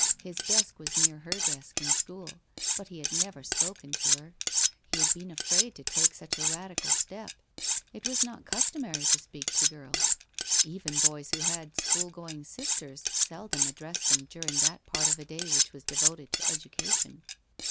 His desk was near her desk in school, but he had never spoken to her. He had been afraid to take such a radical step. It was not customary to speak to girls. Even boys who had school going sisters seldom addressed them during that part of a day which was devoted to education.